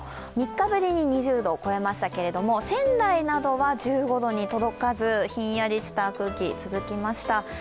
３日ぶりに２０度を超えましたけれども、仙台などは１５度に届かずひんやりした空気、続きました。